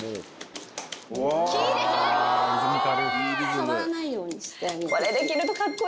触らないようにしてあげると。